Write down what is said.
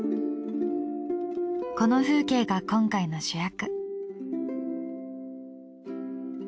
この風景が今回の主役。